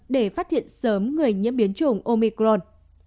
để phát hiện sớm người nhiễm biến chủng omicron